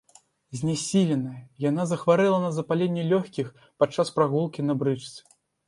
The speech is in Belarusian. Знясіленая, яна захварэла на запаленне лёгкіх падчас прагулкі на брычцы.